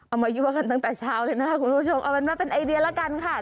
มายั่วกันตั้งแต่เช้าเลยนะคะคุณผู้ชมเอาเป็นว่าเป็นไอเดียแล้วกันค่ะ